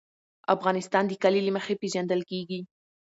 افغانستان د کلي له مخې پېژندل کېږي.